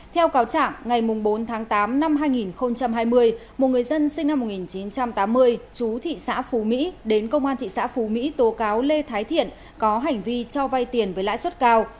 theo cáo trả ngày bốn tháng tám năm hai nghìn hai mươi một người dân sinh năm một nghìn chín trăm tám mươi chú thị xã phú mỹ đến công an thị xã phú mỹ tố cáo lê thái thiện có hành vi cho vay tiền với lãi suất cao